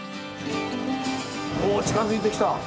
お近づいてきた。